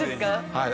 はい。